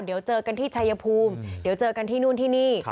เดี๋ยวเจอกันที่ชายภูมิเดี๋ยวเจอกันที่นู่นที่นี่